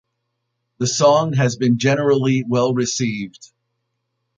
The song has been generally well received.